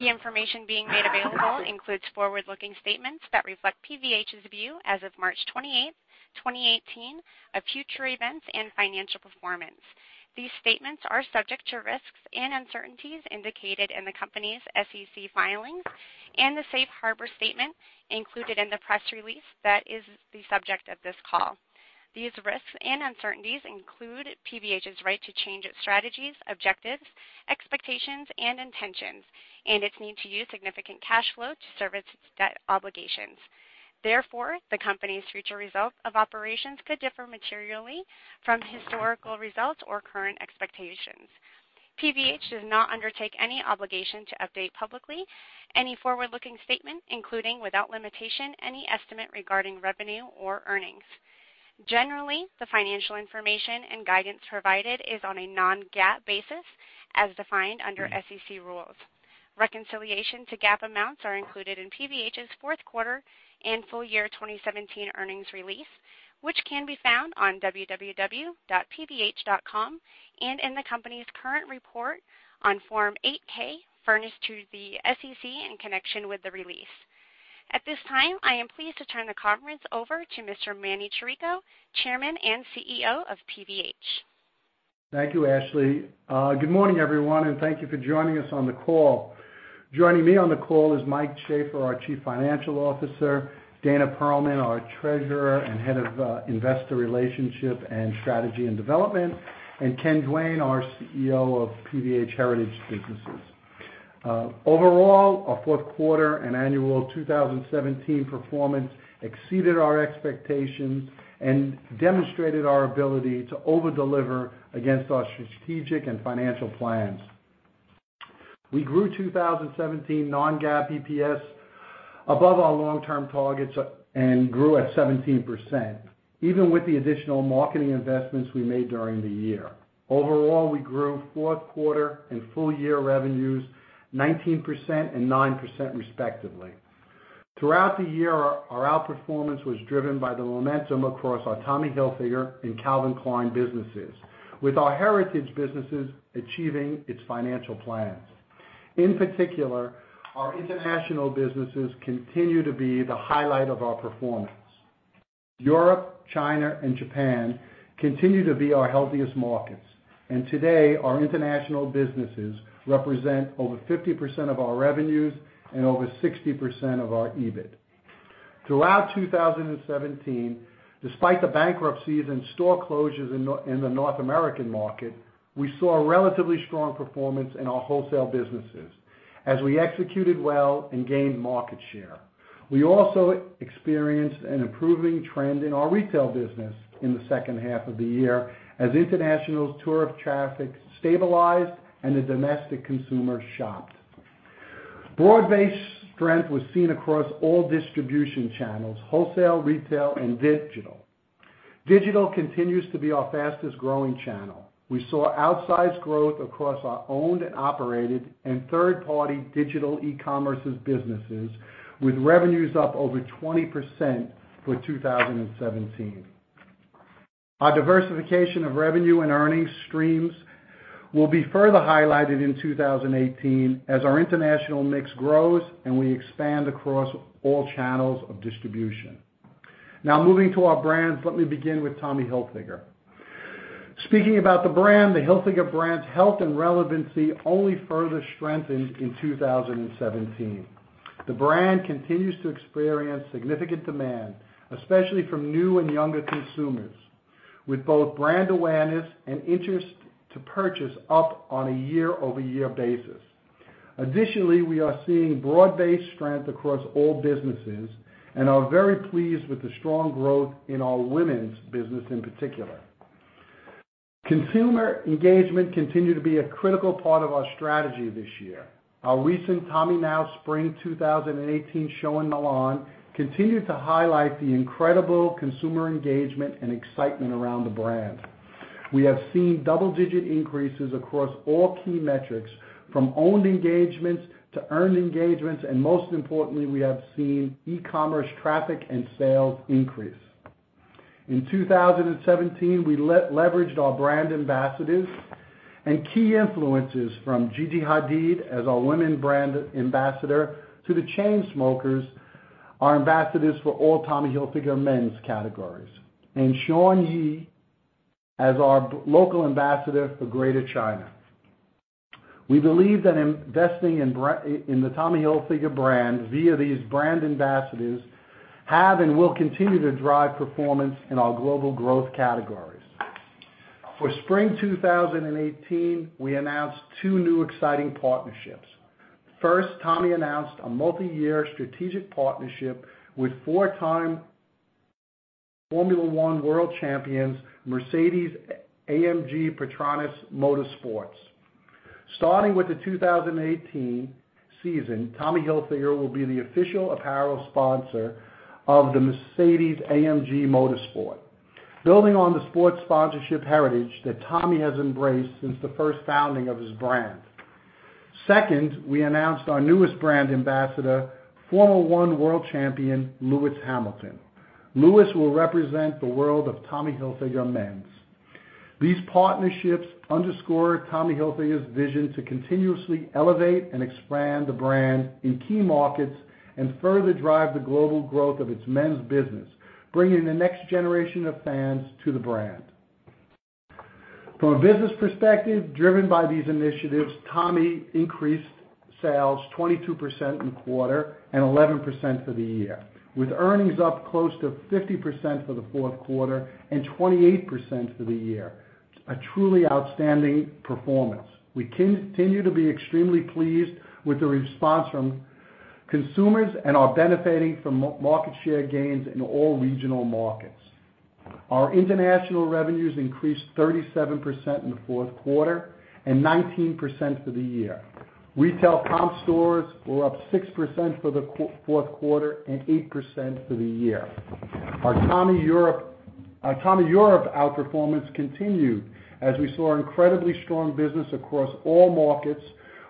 The information being made available includes forward-looking statements that reflect PVH's view as of March 28th, 2018, of future events and financial performance. These statements are subject to risks and uncertainties indicated in the company's SEC filings and the safe harbor statement included in the press release that is the subject of this call. These risks and uncertainties include PVH's right to change its strategies, objectives, expectations, and intentions, and its need to use significant cash flow to service its debt obligations. Therefore, the company's future results of operations could differ materially from historical results or current expectations. PVH does not undertake any obligation to update publicly any forward-looking statement, including, without limitation, any estimate regarding revenue or earnings. Generally, the financial information and guidance provided is on a non-GAAP basis as defined under SEC rules. Reconciliation to GAAP amounts are included in PVH's fourth quarter and full year 2017 earnings release, which can be found on www.pvh.com and in the company's current report on Form 8-K furnished to the SEC in connection with the release. At this time, I am pleased to turn the conference over to Mr. Manny Chirico, Chairman and CEO of PVH. Thank you, Ashley. Good morning, everyone, and thank you for joining us on the call. Joining me on the call is Mike Shaffer, our Chief Financial Officer, Dana Perlman, our Treasurer and Head of Investor Relationship and Strategy and Development, and Ken Duane, our CEO of PVH Heritage Businesses. Overall, our fourth quarter and annual 2017 performance exceeded our expectations and demonstrated our ability to over-deliver against our strategic and financial plans. We grew 2017 non-GAAP EPS above our long-term targets and grew at 17%, even with the additional marketing investments we made during the year. Overall, we grew fourth quarter and full year revenues 19% and 9% respectively. Throughout the year, our outperformance was driven by the momentum across our Tommy Hilfiger and Calvin Klein businesses, with our heritage businesses achieving its financial plans. In particular, our international businesses continue to be the highlight of our performance. Europe, China, and Japan continue to be our healthiest markets. Today, our international businesses represent over 50% of our revenues and over 60% of our EBIT. Throughout 2017, despite the bankruptcies and store closures in the North American market, we saw a relatively strong performance in our wholesale businesses as we executed well and gained market share. We also experienced an improving trend in our retail business in the second half of the year as international tourist traffic stabilized and the domestic consumer shopped. Broad-based strength was seen across all distribution channels, wholesale, retail, and digital. Digital continues to be our fastest-growing channel. We saw outsized growth across our owned and operated and third-party digital e-commerce businesses, with revenues up over 20% for 2017. Our diversification of revenue and earnings streams will be further highlighted in 2018 as our international mix grows and we expand across all channels of distribution. Moving to our brands, let me begin with Tommy Hilfiger. Speaking about the brand, the Tommy Hilfiger brand's health and relevancy only further strengthened in 2017. The brand continues to experience significant demand, especially from new and younger consumers, with both brand awareness and interest to purchase up on a year-over-year basis. Additionally, we are seeing broad-based strength across all businesses and are very pleased with the strong growth in our women's business in particular. Consumer engagement continued to be a critical part of our strategy this year. Our recent TOMMYNOW Spring 2018 show in Milan continued to highlight the incredible consumer engagement and excitement around the brand. We have seen double-digit increases across all key metrics from owned engagements to earned engagements, most importantly, we have seen e-commerce traffic and sales increase. In 2017, we leveraged our brand ambassadors and key influences from Gigi Hadid as our women's brand ambassador to The Chainsmokers, our ambassadors for all Tommy Hilfiger men's categories, and Xuan Yi as our local ambassador for Greater China. We believe that investing in the Tommy Hilfiger brand via these brand ambassadors have and will continue to drive performance in our global growth categories. For spring 2018, we announced two new exciting partnerships. First, Tommy announced a multi-year strategic partnership with four-time Formula One World Champions Mercedes-AMG Petronas Motorsport. Starting with the 2018 season, Tommy Hilfiger will be the official apparel sponsor of the Mercedes-AMG Motorsport, building on the sports sponsorship heritage that Tommy has embraced since the first founding of his brand. Second, we announced our newest brand ambassador, Formula One World Champion Lewis Hamilton. Lewis will represent the world of Tommy Hilfiger men's. These partnerships underscore Tommy Hilfiger's vision to continuously elevate and expand the brand in key markets and further drive the global growth of its men's business, bringing the next generation of fans to the brand. From a business perspective, driven by these initiatives, Tommy increased sales 22% in the quarter and 11% for the year, with earnings up close to 50% for the fourth quarter and 28% for the year. A truly outstanding performance. We continue to be extremely pleased with the response from consumers and are benefiting from market share gains in all regional markets. Our international revenues increased 37% in the fourth quarter and 19% for the year. Retail comp stores were up 6% for the fourth quarter and 8% for the year. Our Tommy Hilfiger Europe outperformance continued as we saw incredibly strong business across all markets,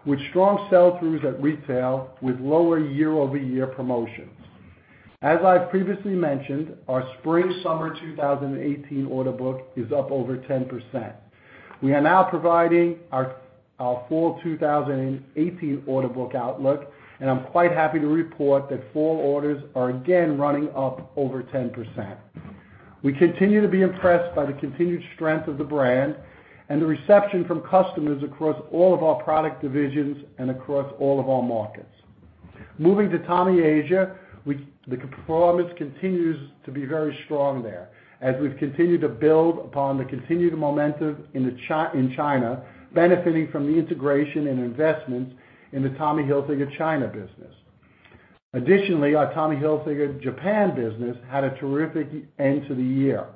with strong sell-throughs at retail with lower year-over-year promotions. As I've previously mentioned, our spring-summer 2018 order book is up over 10%. We are now providing our fall 2018 order book outlook, I'm quite happy to report that fall orders are again running up over 10%. We continue to be impressed by the continued strength of the brand and the reception from customers across all of our product divisions and across all of our markets. Moving to Tommy Asia, the performance continues to be very strong there, as we've continued to build upon the continued momentum in China, benefiting from the integration and investments in the Tommy Hilfiger China business. Additionally, our Tommy Hilfiger Japan business had a terrific end to the year.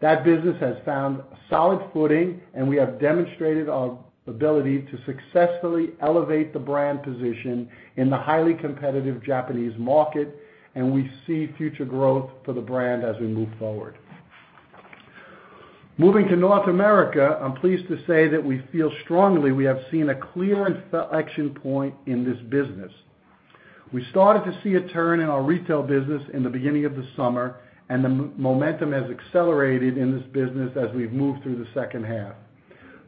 That business has found solid footing, and we have demonstrated our ability to successfully elevate the brand position in the highly competitive Japanese market, and we see future growth for the brand as we move forward. Moving to North America, I'm pleased to say that we feel strongly we have seen a clear inflection point in this business. We started to see a turn in our retail business in the beginning of the summer, and the momentum has accelerated in this business as we've moved through the second half.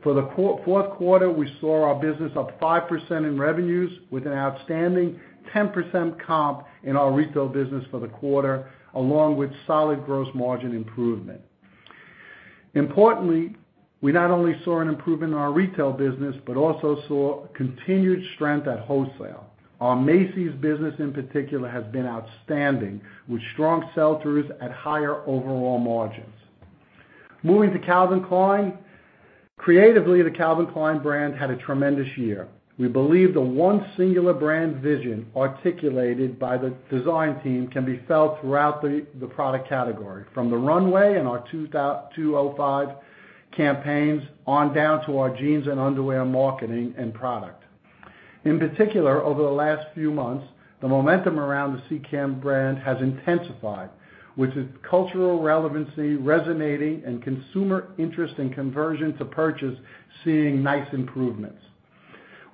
For the fourth quarter, we saw our business up 5% in revenues, with an outstanding 10% comp in our retail business for the quarter, along with solid gross margin improvement. Importantly, we not only saw an improvement in our retail business, but also saw continued strength at wholesale. Our Macy's business in particular has been outstanding, with strong sell-throughs at higher overall margins. Moving to Calvin Klein. Creatively, the Calvin Klein brand had a tremendous year. We believe the one singular brand vision articulated by the design team can be felt throughout the product category, from the runway and our 205 campaigns on down to our jeans and underwear, marketing, and product. In particular, over the last few months, the momentum around the CK brand has intensified, with its cultural relevancy resonating and consumer interest in conversion to purchase seeing nice improvements.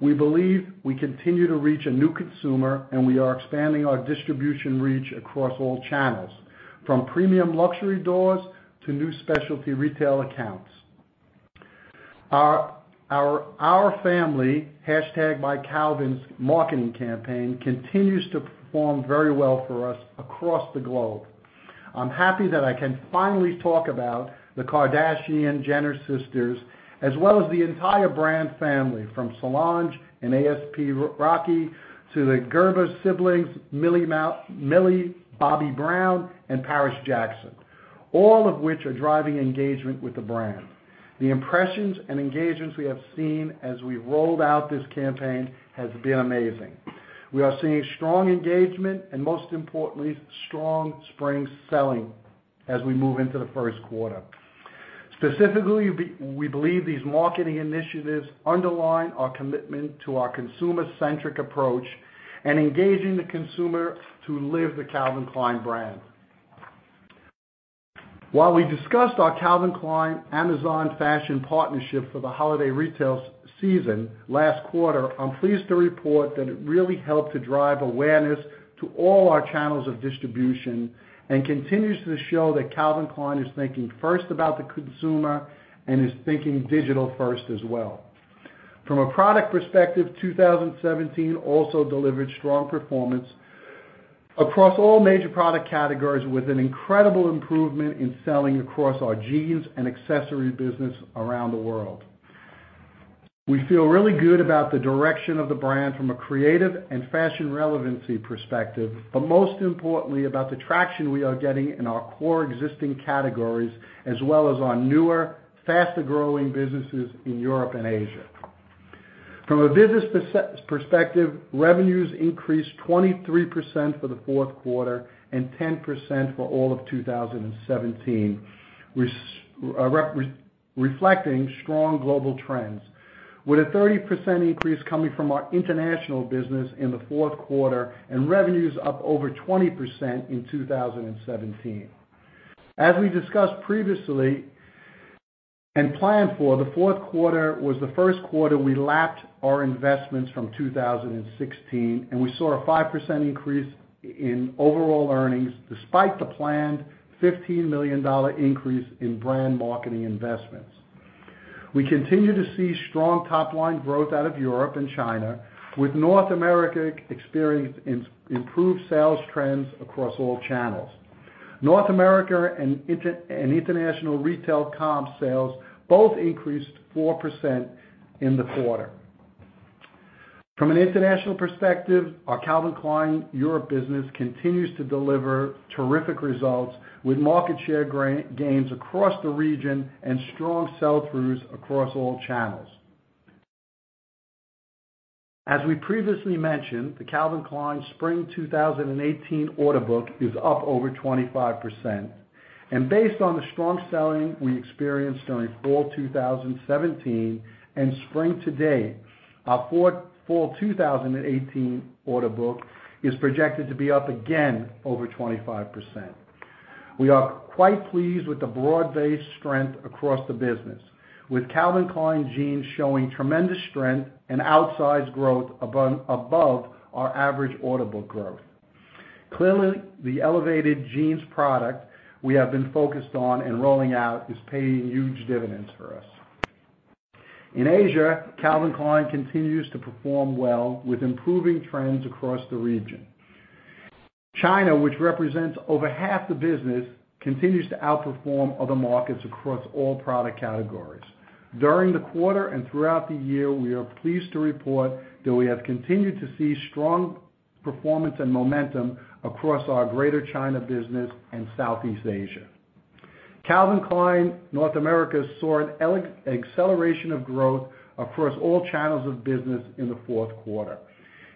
We believe we continue to reach a new consumer, and we are expanding our distribution reach across all channels, from premium luxury doors to new specialty retail accounts. Our Family, #MyCalvins marketing campaign, continues to perform very well for us across the globe. I'm happy that I can finally talk about the Kardashian-Jenner sisters, as well as the entire brand family, from Solange and A$AP Rocky to the Gerber siblings, Millie Bobby Brown, and Paris Jackson, all of which are driving engagement with the brand. The impressions and engagements we have seen as we've rolled out this campaign has been amazing. We are seeing strong engagement and, most importantly, strong spring selling as we move into the first quarter. Specifically, we believe these marketing initiatives underline our commitment to our consumer-centric approach and engaging the consumer to live the Calvin Klein brand. While we discussed our Calvin Klein Amazon Fashion partnership for the holiday retail season last quarter, I'm pleased to report that it really helped to drive awareness to all our channels of distribution and continues to show that Calvin Klein is thinking first about the consumer and is thinking digital first as well. From a product perspective, 2017 also delivered strong performance across all major product categories, with an incredible improvement in selling across our jeans and accessory business around the world. We feel really good about the direction of the brand from a creative and fashion relevancy perspective, but most importantly, about the traction we are getting in our core existing categories, as well as our newer, faster-growing businesses in Europe and Asia. From a business perspective, revenues increased 23% for the fourth quarter and 10% for all of 2017, reflecting strong global trends, with a 30% increase coming from our international business in the fourth quarter and revenues up over 20% in 2017. As we discussed previously and planned for, the fourth quarter was the first quarter we lapped our investments from 2016, and we saw a 5% increase in overall earnings, despite the planned $15 million increase in brand marketing investments. We continue to see strong top-line growth out of Europe and China, with North America experienced improved sales trends across all channels. North America and international retail comp sales both increased 4% in the quarter. From an international perspective, our Calvin Klein Europe business continues to deliver terrific results, with market share gains across the region and strong sell-throughs across all channels. As we previously mentioned, the Calvin Klein Spring 2018 order book is up over 25%. Based on the strong selling we experienced during fall 2017 and spring to date, our fall 2018 order book is projected to be up again over 25%. We are quite pleased with the broad-based strength across the business, with Calvin Klein Jeans showing tremendous strength and outsized growth above our average order book growth. Clearly, the elevated jeans product we have been focused on and rolling out is paying huge dividends for us. In Asia, Calvin Klein continues to perform well with improving trends across the region. China, which represents over half the business, continues to outperform other markets across all product categories. During the quarter and throughout the year, we are pleased to report that we have continued to see strong performance and momentum across our Greater China business and Southeast Asia. Calvin Klein North America saw an acceleration of growth across all channels of business in the fourth quarter.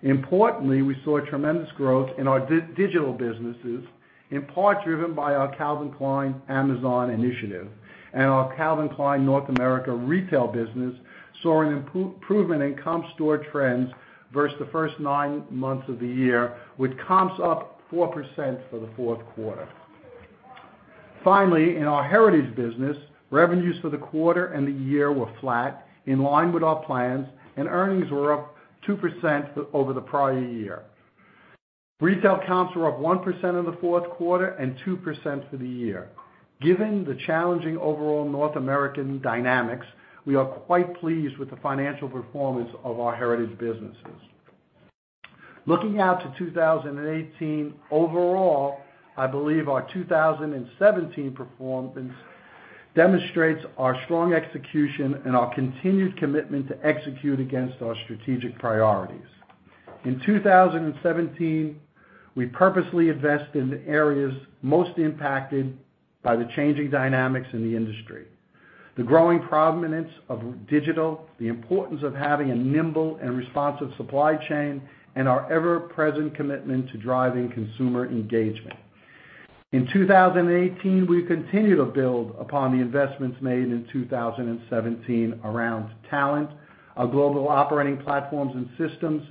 Importantly, we saw tremendous growth in our digital businesses, in part driven by our Calvin Klein Amazon initiative and our Calvin Klein North America retail business, seeing improvement in comp store trends versus the first nine months of the year, with comps up 4% for the fourth quarter. Finally, in our heritage business, revenues for the quarter and the year were flat, in line with our plans, and earnings were up 2% over the prior year. Retail comps were up 1% in the fourth quarter and 2% for the year. Given the challenging overall North American dynamics, we are quite pleased with the financial performance of our heritage businesses. Looking out to 2018, overall, I believe our 2017 performance demonstrates our strong execution and our continued commitment to execute against our strategic priorities. In 2017, we purposely invest in the areas most impacted by the changing dynamics in the industry. The growing prominence of digital, the importance of having a nimble and responsive supply chain, and our ever-present commitment to driving consumer engagement. In 2018, we continue to build upon the investments made in 2017 around talent, our global operating platforms and systems,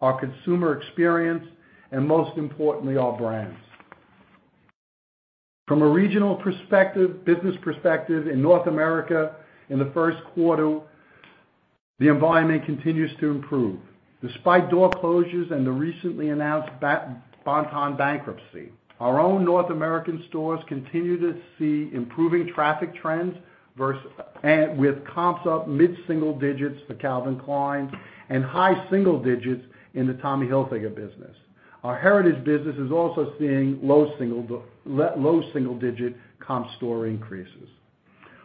our consumer experience, and most importantly, our brands. From a regional perspective, business perspective, in North America, in the first quarter, the environment continues to improve. Despite door closures and the recently announced Bon-Ton bankruptcy, our own North American stores continue to see improving traffic trends, with comps up mid-single digits for Calvin Klein and high single digits in the Tommy Hilfiger business. Our heritage business is also seeing low single-digit comp store increases.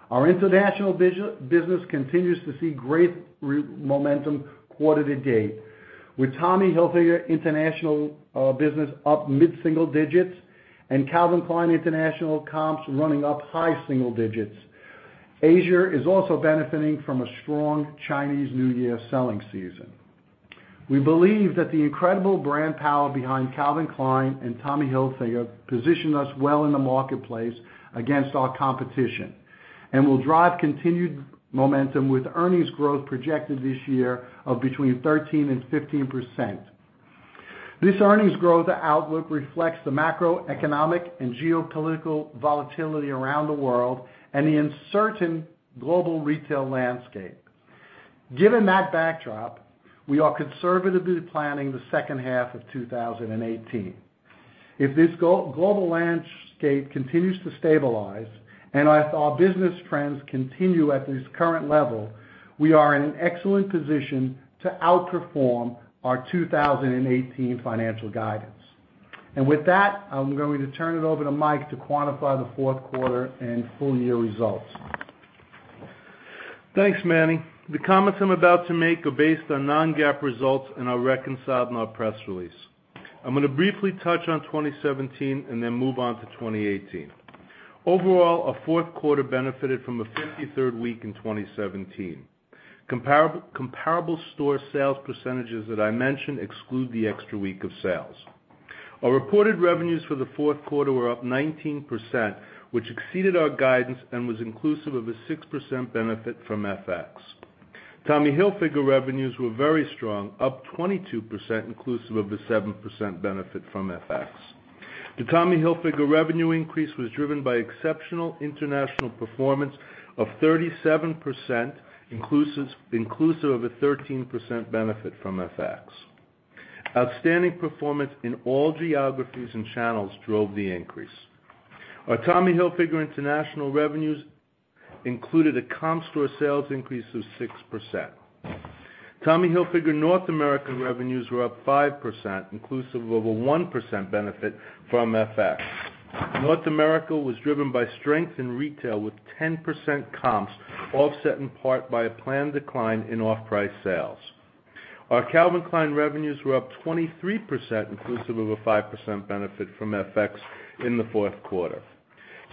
Our international business continues to see great momentum quarter to date, with Tommy Hilfiger international business up mid-single digits and Calvin Klein international comps running up high single digits. Asia is also benefiting from a strong Chinese New Year selling season. We believe that the incredible brand power behind Calvin Klein and Tommy Hilfiger position us well in the marketplace against our competition and will drive continued momentum with earnings growth projected this year of between 13% and 15%. This earnings growth outlook reflects the macroeconomic and geopolitical volatility around the world and the uncertain global retail landscape. Given that backdrop, we are conservatively planning the second half of 2018. If this global landscape continues to stabilize and if our business trends continue at this current level, we are in an excellent position to outperform our 2018 financial guidance. With that, I'm going to turn it over to Mike to quantify the fourth quarter and full-year results. Thanks, Manny. The comments I'm about to make are based on non-GAAP results and are reconciled in our press release. I'm going to briefly touch on 2017 and then move on to 2018. Overall, our fourth quarter benefited from a 53rd week in 2017. Comparable store sales percentages that I mentioned exclude the extra week of sales. Our reported revenues for the fourth quarter were up 19%, which exceeded our guidance and was inclusive of a 6% benefit from FX. Tommy Hilfiger revenues were very strong, up 22% inclusive of a 7% benefit from FX. The Tommy Hilfiger revenue increase was driven by exceptional international performance of 37%, inclusive of a 13% benefit from FX. Outstanding performance in all geographies and channels drove the increase. Our Tommy Hilfiger international revenues included a comp store sales increase of 6%. Tommy Hilfiger North America revenues were up 5%, inclusive of a 1% benefit from FX. North America was driven by strength in retail, with 10% comps, offset in part by a planned decline in off-price sales. Our Calvin Klein revenues were up 23%, inclusive of a 5% benefit from FX in the fourth quarter.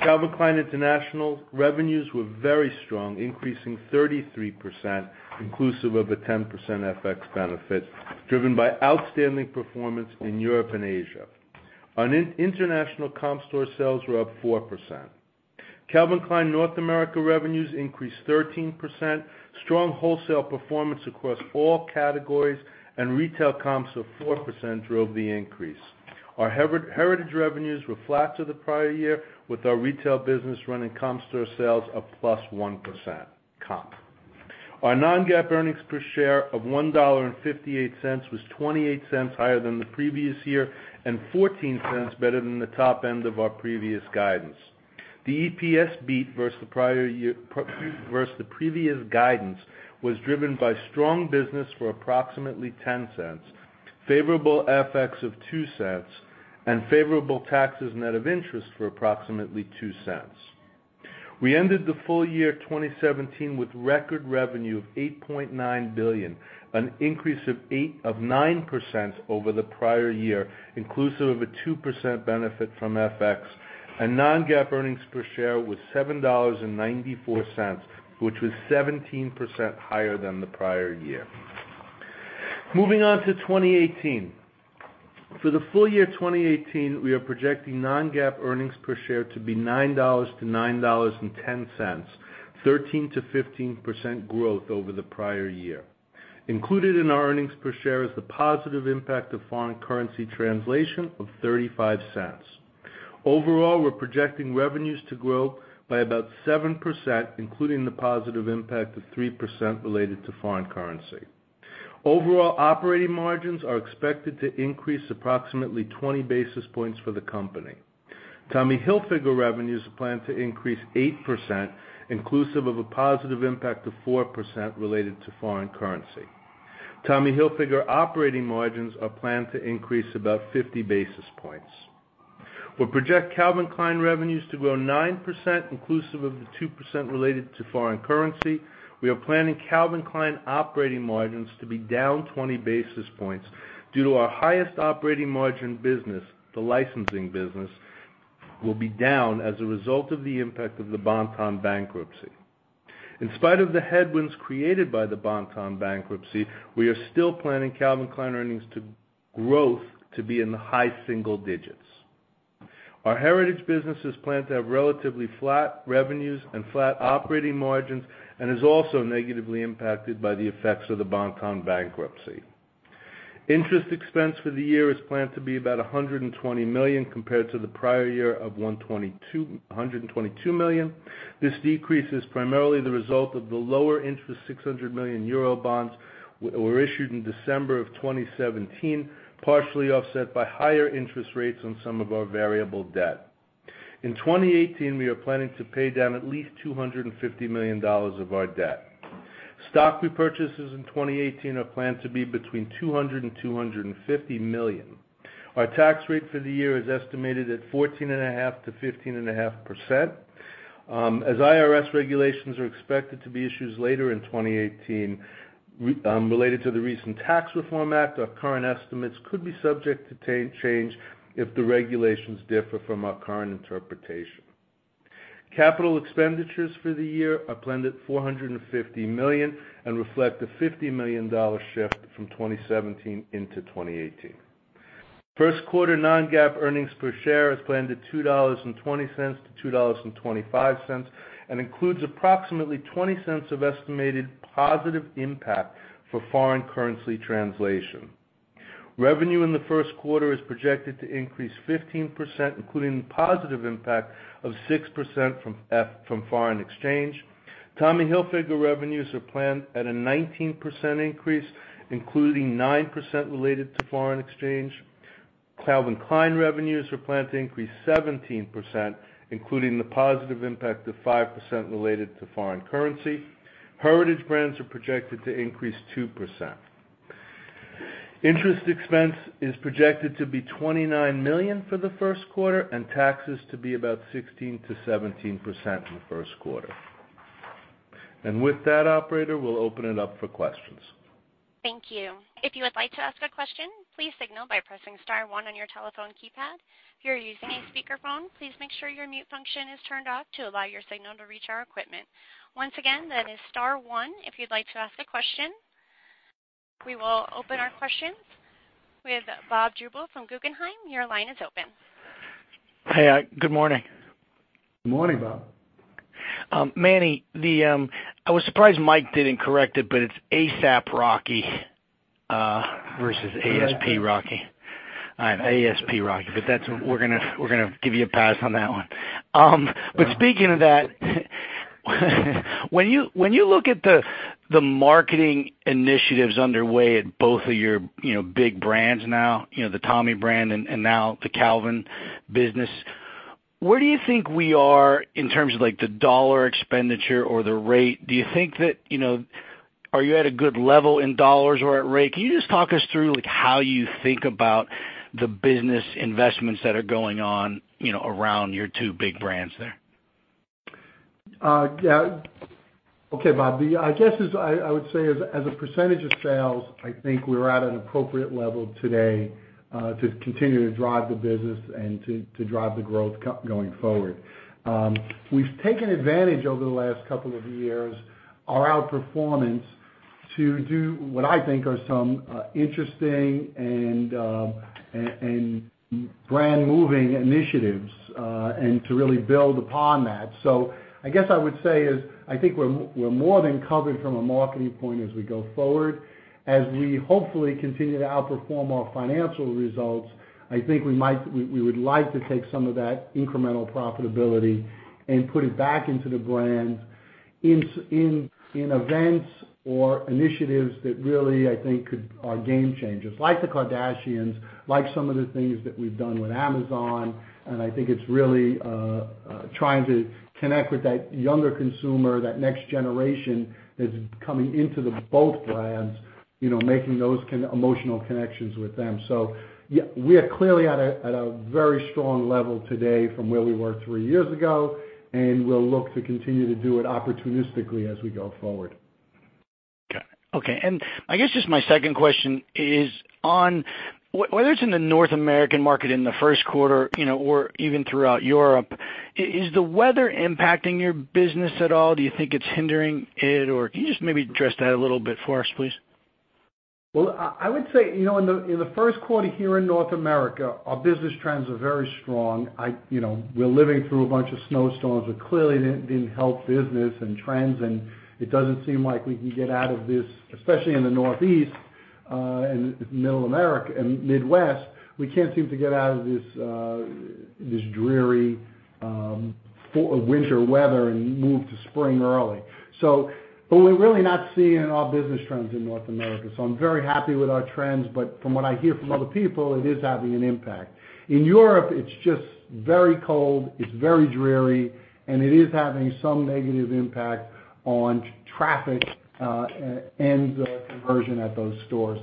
Calvin Klein international revenues were very strong, increasing 33%, inclusive of a 10% FX benefit, driven by outstanding performance in Europe and Asia. On international comp store sales were up 4%. Calvin Klein North America revenues increased 13%. Strong wholesale performance across all categories and retail comps of 4% drove the increase. Our Heritage revenues were flat to the prior year, with our retail business running comp store sales of plus 1% comp. Our non-GAAP earnings per share of $1.58 was $0.28 higher than the previous year and $0.14 better than the top end of our previous guidance. The EPS beat versus the previous guidance was driven by strong business for approximately $0.10, favorable FX of $0.02, and favorable taxes net of interest for approximately $0.02. We ended the full year 2017 with record revenue of $8.9 billion, an increase of 9% over the prior year, inclusive of a 2% benefit from FX, and non-GAAP earnings per share was $7.94, which was 17% higher than the prior year. Moving on to 2018. For the full year 2018, we are projecting non-GAAP earnings per share to be $9.00-$9.10, 13%-15% growth over the prior year. Included in our earnings per share is the positive impact of foreign currency translation of $0.35. Overall, we're projecting revenues to grow by about 7%, including the positive impact of 3% related to foreign currency. Overall operating margins are expected to increase approximately 20 basis points for the company. Tommy Hilfiger revenues are planned to increase 8%, inclusive of a positive impact of 4% related to foreign currency. Tommy Hilfiger operating margins are planned to increase about 50 basis points. We project Calvin Klein revenues to grow 9%, inclusive of the 2% related to foreign currency. We are planning Calvin Klein operating margins to be down 20 basis points due to our highest operating margin business, the licensing business, will be down as a result of the impact of the Bon-Ton bankruptcy. In spite of the headwinds created by the Bon-Ton bankruptcy, we are still planning Calvin Klein earnings growth to be in the high single digits. Our Heritage business is planned to have relatively flat revenues and flat operating margins and is also negatively impacted by the effects of the Bon-Ton bankruptcy. Interest expense for the year is planned to be about $120 million compared to the prior year of $122 million. This decrease is primarily the result of the lower interest 600 million euro bonds were issued in December of 2017, partially offset by higher interest rates on some of our variable debt. In 2018, we are planning to pay down at least $250 million of our debt. Stock repurchases in 2018 are planned to be between $200 million and $250 million. Our tax rate for the year is estimated at 14.5%-15.5%. As IRS regulations are expected to be issued later in 2018 related to the recent tax reform act, our current estimates could be subject to change if the regulations differ from our current interpretation. Capital expenditures for the year are planned at $450 million and reflect a $50 million shift from 2017 into 2018. First quarter non-GAAP earnings per share is planned at $2.20-$2.25 and includes approximately $0.20 of estimated positive impact for foreign currency translation. Revenue in the first quarter is projected to increase 15%, including the positive impact of 6% from foreign exchange. Tommy Hilfiger revenues are planned at a 19% increase, including 9% related to foreign exchange. Calvin Klein revenues are planned to increase 17%, including the positive impact of 5% related to foreign currency. Heritage Brands are projected to increase 2%. Interest expense is projected to be $29 million for the first quarter and taxes to be about 16%-17% in the first quarter. With that operator, we'll open it up for questions. Thank you. If you would like to ask a question, please signal by pressing star one on your telephone keypad. If you are using a speakerphone, please make sure your mute function is turned off to allow your signal to reach our equipment. Once again, that is star one if you'd like to ask a question. We will open our questions. We have Bob Drbul from Guggenheim. Your line is open. Hey, good morning. Good morning, Bob. Manny, I was surprised Mike didn't correct it's A$AP Rocky versus A$AP Rocky I'm A$AP Rocky, that's what we're going to give you a pass on that one. Speaking of that, when you look at the marketing initiatives underway at both of your big brands now, the Tommy brand and now the Calvin business, where do you think we are in terms of the $ expenditure or the rate? Are you at a good level in $ or at rate? Can you just talk us through how you think about the business investments that are going on around your two big brands there? Okay, Bob. I guess I would say, as a percentage of sales, I think we're at an appropriate level today, to continue to drive the business and to drive the growth going forward. We've taken advantage, over the last couple of years, our out-performance to do what I think are some interesting and brand moving initiatives, and to really build upon that. I guess I would say is, I think we're more than covered from a marketing point as we go forward. As we hopefully continue to outperform our financial results, I think we would like to take some of that incremental profitability and put it back into the brand in events or initiatives that really, I think, are game changers. Like the Kardashians, like some of the things that we've done with Amazon, I think it's really trying to connect with that younger consumer, that next generation that's coming into the both brands, making those emotional connections with them. We are clearly at a very strong level today from where we were three years ago, and we'll look to continue to do it opportunistically as we go forward. Got it. Okay. I guess just my second question is on whether it's in the North American market in the first quarter, or even throughout Europe, is the weather impacting your business at all? Do you think it's hindering it, or can you just maybe address that a little bit for us, please? Well, I would say, in the first quarter here in North America, our business trends are very strong. We're living through a bunch of snowstorms, but clearly that didn't help business and trends. It doesn't seem like we can get out of this, especially in the Northeast, Middle America, and Midwest. We can't seem to get out of this dreary winter weather and move to spring early. We're really not seeing it in our business trends in North America. I'm very happy with our trends. From what I hear from other people, it is having an impact. In Europe, it's just very cold, it's very dreary, and it is having some negative impact on traffic and conversion at those stores.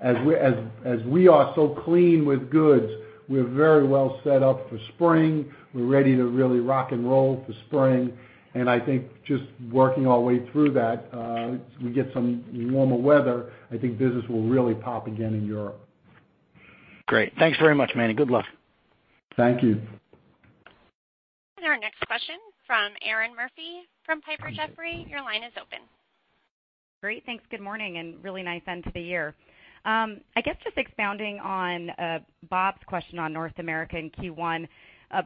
As we are so clean with goods, we're very well set up for spring. We're ready to really rock and roll for spring. I think just working our way through that, we get some warmer weather, I think business will really pop again in Europe. Great. Thanks very much, Manny. Good luck. Thank you. Our next question from Erinn Murphy from Piper Jaffray. Your line is open. Great. Thanks. Good morning, and really nice end to the year. I guess just expounding on Bob's question on North America in Q1.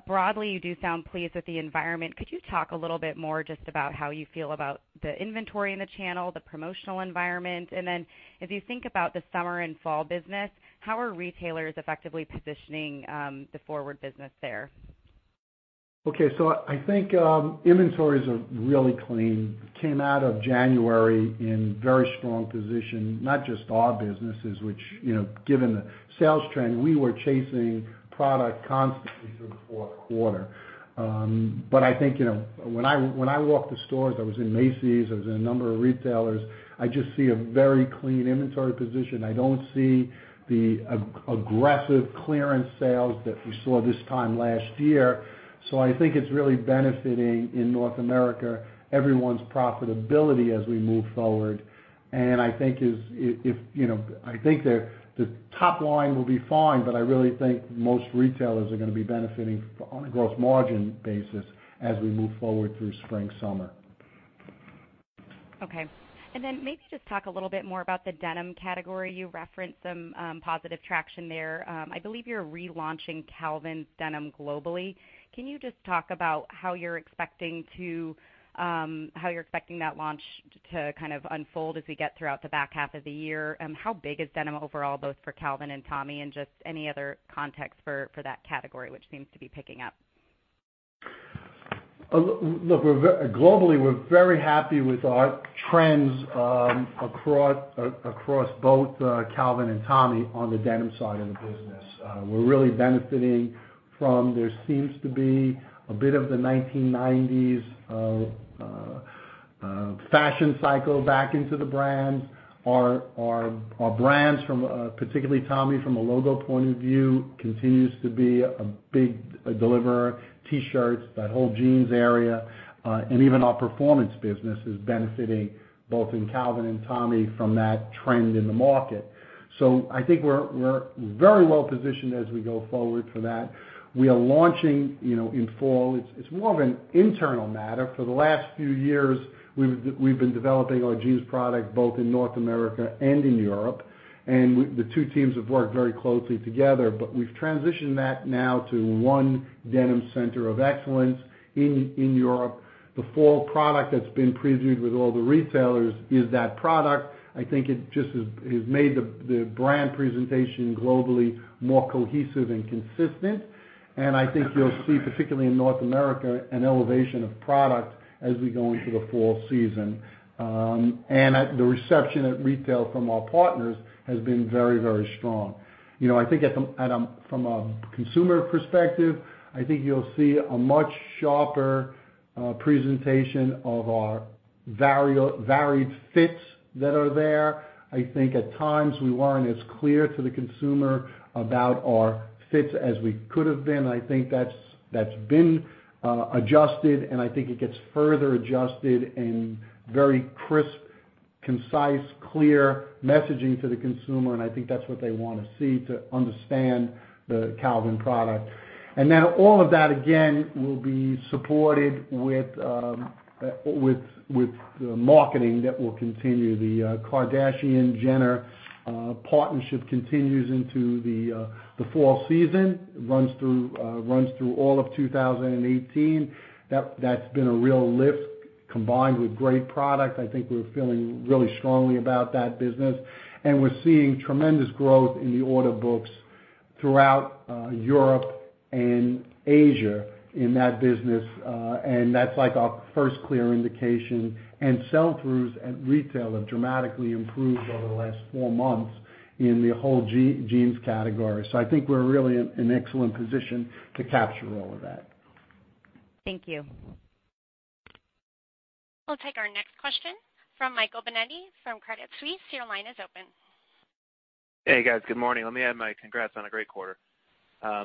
Broadly, you do sound pleased with the environment. Could you talk a little bit more just about how you feel about the inventory in the channel, the promotional environment? Then if you think about the summer and fall business, how are retailers effectively positioning the forward business there? Okay. I think inventories are really clean. Came out of January in very strong position. Not just our businesses, which, given the sales trend, we were chasing product constantly through the fourth quarter. I think, when I walked the stores, I was in Macy's, I was in a number of retailers, I just see a very clean inventory position. I don't see the aggressive clearance sales that we saw this time last year. I think it's really benefiting, in North America, everyone's profitability as we move forward. I think the top line will be fine, but I really think most retailers are gonna be benefiting on a gross margin basis as we move forward through spring/summer. Okay. Maybe just talk a little bit more about the denim category. You referenced some positive traction there. I believe you're relaunching Calvin's denim globally. Can you just talk about how you're expecting that launch to kind of unfold as we get throughout the back half of the year? How big is denim overall, both for Calvin and Tommy, and just any other context for that category, which seems to be picking up? Look, globally, we're very happy with our trends across both Calvin and Tommy on the denim side of the business. We're really benefiting from, there seems to be a bit of the 1990s fashion cycle back into the brands. Our brands from, particularly Tommy, from a logo point of view, continues to be a big deliverer. T-shirts, that whole jeans area, and even our performance business is benefiting both in Calvin and Tommy from that trend in the market. I think we're very well positioned as we go forward for that. We are launching in fall. It's more of an internal matter. For the last few years, we've been developing our jeans product both in North America and in Europe. The two teams have worked very closely together. We've transitioned that now to one denim center of excellence in Europe. The fall product that's been previewed with all the retailers is that product. I think it just has made the brand presentation globally more cohesive and consistent. I think you'll see, particularly in North America, an elevation of product as we go into the fall season. The reception at retail from our partners has been very, very strong. From a consumer perspective, I think you'll see a much sharper presentation of our varied fits that are there. I think at times we weren't as clear to the consumer about our fits as we could've been. I think that's been adjusted, I think it gets further adjusted in very crisp, concise, clear messaging to the consumer, I think that's what they want to see to understand the Calvin product. All of that, again, will be supported with the marketing that will continue. The Kardashian-Jenner partnership continues into the fall season. It runs through all of 2018. That's been a real lift. Combined with great product, I think we're feeling really strongly about that business. We're seeing tremendous growth in the order books throughout Europe and Asia in that business. That's like our first clear indication. Sell-throughs at retail have dramatically improved over the last four months in the whole jeans category. I think we're really in an excellent position to capture all of that. Thank you. We'll take our next question from Michael Binetti from Credit Suisse. Your line is open. Hey, guys. Good morning. Let me add my congrats on a great quarter.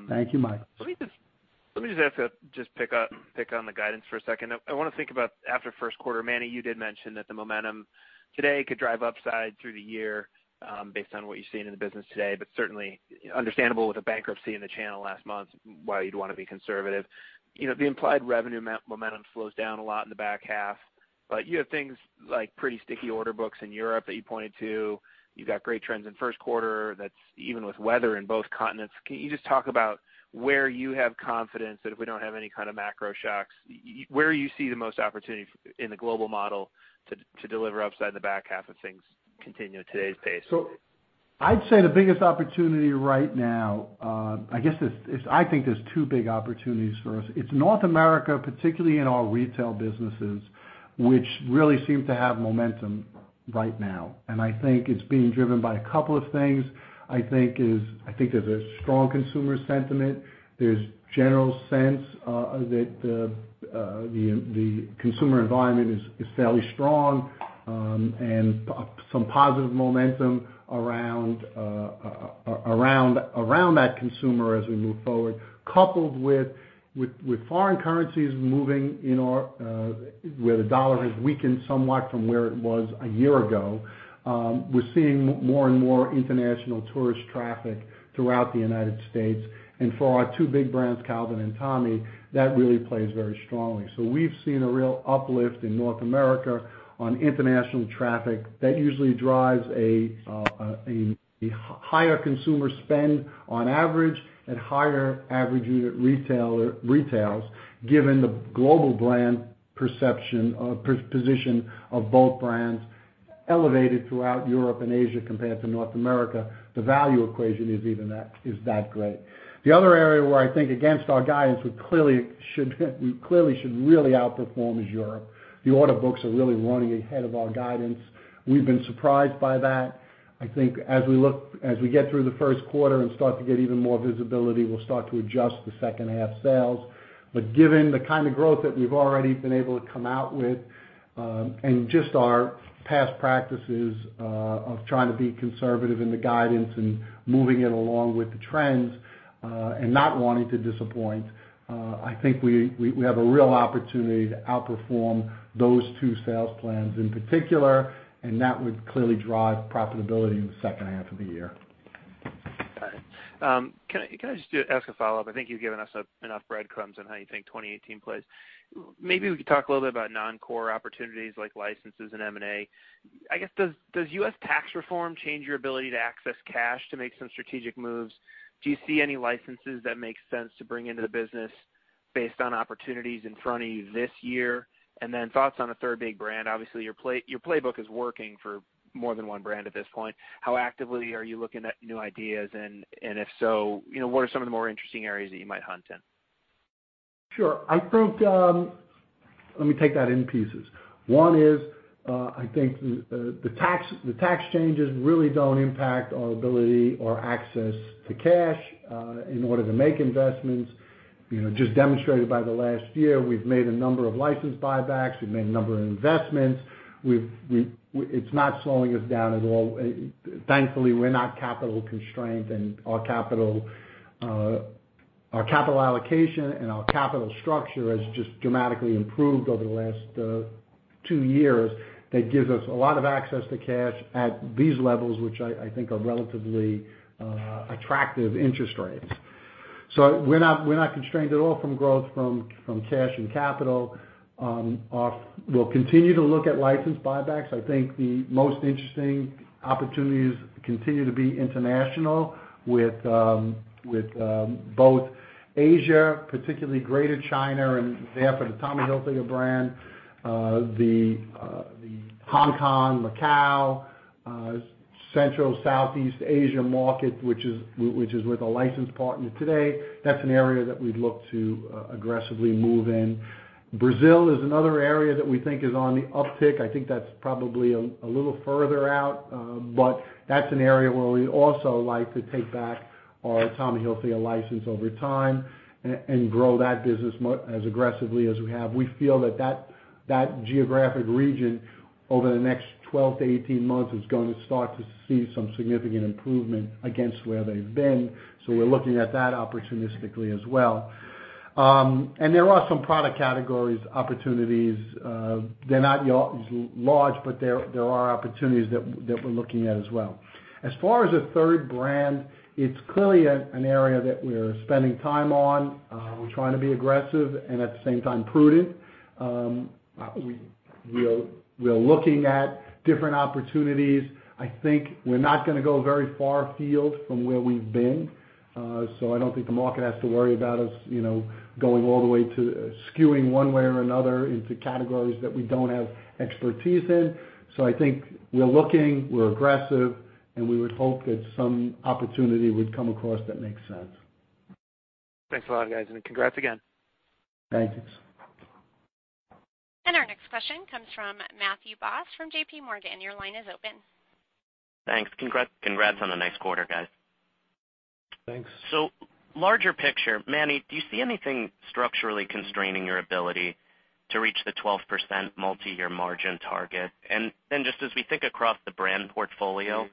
Thank you, Michael. Let me just ask to just pick on the guidance for a second. I want to think about after first quarter, Manny, you did mention that the momentum today could drive upside through the year, based on what you've seen in the business today, but certainly understandable with a bankruptcy in the channel last month, why you'd want to be conservative. The implied revenue momentum slows down a lot in the back half. You have things like pretty sticky order books in Europe that you pointed to. You've got great trends in first quarter that's even with weather in both continents. Can you just talk about where you have confidence that if we don't have any kind of macro shocks, where you see the most opportunity in the global model to deliver upside in the back half if things continue at today's pace? I'd say the biggest opportunity right now, I think there's two big opportunities for us. It's North America, particularly in our retail businesses, which really seem to have momentum right now. I think it's being driven by a couple of things. I think there's a strong consumer sentiment. There's general sense that the consumer environment is fairly strong, and some positive momentum around that consumer as we move forward. Coupled with foreign currencies moving where the dollar has weakened somewhat from where it was a year ago. We're seeing more and more international tourist traffic throughout the U.S. For our two big brands, Calvin and Tommy, that really plays very strongly. We've seen a real uplift in North America on international traffic. That usually drives a higher consumer spend on average at higher average unit retails, given the global brand perception, position of both brands elevated throughout Europe and Asia compared to North America. The value equation is that great. The other area where I think against our guidance, we clearly should really outperform is Europe. The order books are really running ahead of our guidance. We've been surprised by that. I think as we get through the first quarter and start to get even more visibility, we'll start to adjust the second half sales. Given the kind of growth that we've already been able to come out with, just our past practices of trying to be conservative in the guidance and moving it along with the trends, not wanting to disappoint, I think we have a real opportunity to outperform those two sales plans in particular, and that would clearly drive profitability in the second half of the year. Got it. Can I just ask a follow-up? I think you've given us enough breadcrumbs on how you think 2018 plays. Maybe we could talk a little bit about non-core opportunities like licenses and M&A. I guess, does U.S. tax reform change your ability to access cash to make some strategic moves? Do you see any licenses that make sense to bring into the business based on opportunities in front of you this year? Thoughts on a third big brand. Obviously, your playbook is working for more than one brand at this point. How actively are you looking at new ideas? If so, what are some of the more interesting areas that you might hunt in? Sure. Let me take that in pieces. One is, I think the tax changes really don't impact our ability or access to cash in order to make investments. Just demonstrated by the last year, we've made a number of license buybacks, we've made a number of investments. It's not slowing us down at all. Thankfully, we're not capital constrained, and our capital allocation and our capital structure has just dramatically improved over the last two years. That gives us a lot of access to cash at these levels, which I think are relatively attractive interest rates. We're not constrained at all from growth from cash and capital. We'll continue to look at license buybacks. I think the most interesting opportunities continue to be international with both Asia, particularly Greater China and they have for the Tommy Hilfiger brand, the Hong Kong, Macau Central Southeast Asia market, which is with a licensed partner today. That's an area that we'd look to aggressively move in. Brazil is another area that we think is on the uptick. I think that's probably a little further out. That's an area where we'd also like to take back our Tommy Hilfiger license over time and grow that business as aggressively as we have. We feel that that geographic region over the next 12 to 18 months is going to start to see some significant improvement against where they've been. We're looking at that opportunistically as well. There are some product categories opportunities. They're not large, but there are opportunities that we're looking at as well. As far as a third brand, it's clearly an area that we're spending time on. We're trying to be aggressive and at the same time prudent. We're looking at different opportunities. I think we're not going to go very far field from where we've been. I don't think the market has to worry about us going all the way to skewing one way or another into categories that we don't have expertise in. I think we're looking, we're aggressive, and we would hope that some opportunity would come across that makes sense. Thanks a lot, guys, and congrats again. Thank you. Our next question comes from Matthew Boss, from JPMorgan. Your line is open. Thanks. Congrats on a nice quarter, guys. Thanks. Larger picture, Manny, do you see anything structurally constraining your ability to reach the 12% multi-year margin target? Just as we think across the brand portfolio,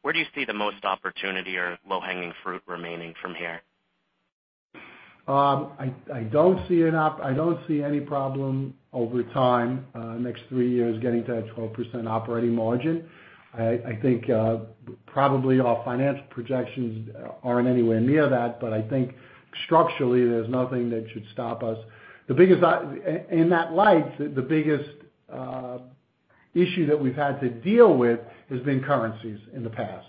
where do you see the most opportunity or low-hanging fruit remaining from here? I don't see any problem over time, next three years, getting to that 12% operating margin. I think, probably our financial projections aren't anywhere near that, but I think structurally, there's nothing that should stop us. In that light, the biggest issue that we've had to deal with has been currencies in the past.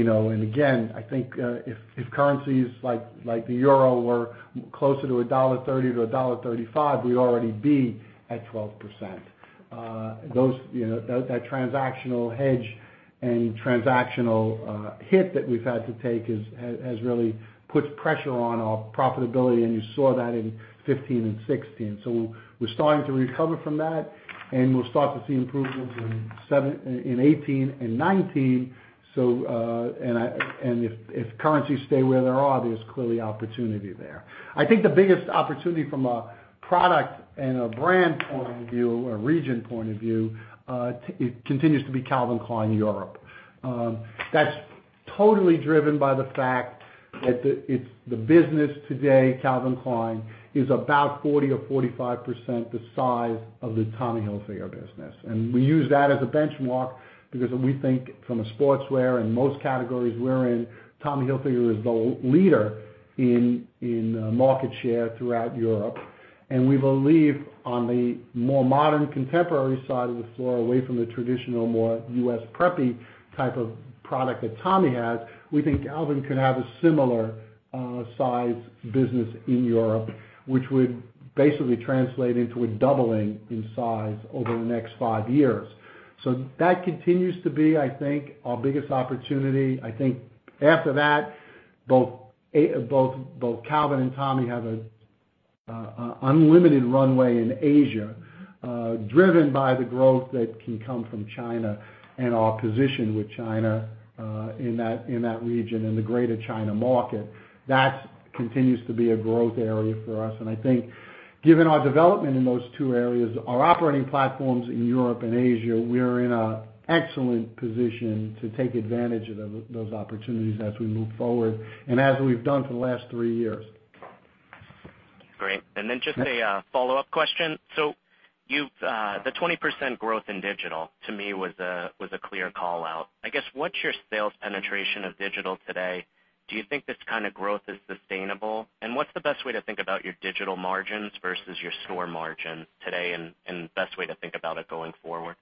Again, I think, if currencies like the EUR were closer to $1.30-$1.35, we'd already be at 12%. That transactional hedge and transactional hit that we've had to take has really put pressure on our profitability, and you saw that in 2015 and 2016. We're starting to recover from that, and we'll start to see improvements in 2018 and 2019. If currencies stay where they are, there's clearly opportunity there. I think the biggest opportunity from a product and a brand point of view or region point of view, it continues to be Calvin Klein Europe. That's totally driven by the fact that the business today, Calvin Klein, is about 40% or 45% the size of the Tommy Hilfiger business. We use that as a benchmark because we think from a sportswear and most categories we're in, Tommy Hilfiger is the leader in market share throughout Europe. We believe on the more modern, contemporary side of the floor, away from the traditional, more U.S. preppy type of product that Tommy has, we think Calvin could have a similar size business in Europe, which would basically translate into a doubling in size over the next five years. That continues to be, I think, our biggest opportunity. I think after that, both Calvin and Tommy have an unlimited runway in Asia, driven by the growth that can come from China and our position with China, in that region and the greater China market. That continues to be a growth area for us. I think given our development in those two areas, our operating platforms in Europe and Asia, we are in an excellent position to take advantage of those opportunities as we move forward and as we've done for the last three years. Great. Just a follow-up question. The 20% growth in digital to me was a clear call-out. I guess, what's your sales penetration of digital today? Do you think this kind of growth is sustainable? What's the best way to think about your digital margins versus your store margins today and best way to think about it going forward?